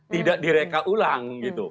tidak direkaulang gitu